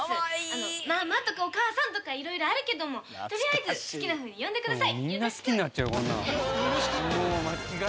あの『ママ』とか『お母さん』とかいろいろあるけどもとりあえず好きなふうに呼んでください！